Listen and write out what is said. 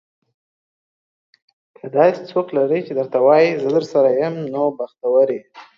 که داسې څوک لرې چې درته وايي, زه درسره یم. نو بختور یې.